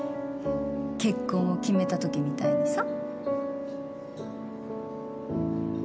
結婚を決めた時みたいにさ。